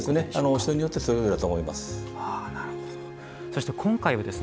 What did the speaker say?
人によってそれぞれだと思います。